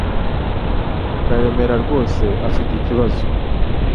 Karemera rwose afite ibibazo